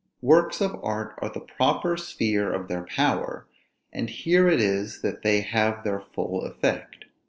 Works of art are the proper sphere of their power; and here it is that they have their full effect.